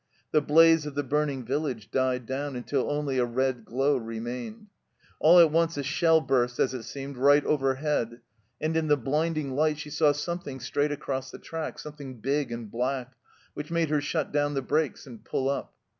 The blaze of the burning village died down until only a red glow remained. All at once a shell burst as it seemed right overhead, and in the blinding light she saw something straight across the track, something big and black, which made her shut down the brakes and pull up.